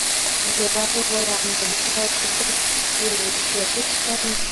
বেদান্ত বলে, আমরা বিশাল স্রোতস্বতীর তীরে বসিয়া তৃষ্ণায় মরিতেছি।